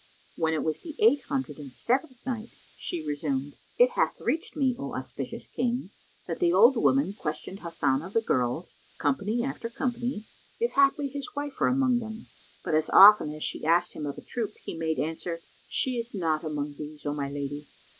When it was the Eight Hundred and Seventh Night, She resumed, It hath reached me, O auspicious King, that the old woman questioned Hasan of the girls, company after company, if haply his wife were among them; but as often as she asked him of a troop, he made answer, "She is not among these, O my lady!"